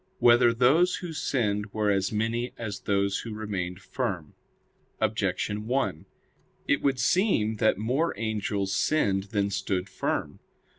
9] Whether Those Who Sinned Were As Many As Those Who Remained Firm? Objection 1: It would seem that more angels sinned than stood firm.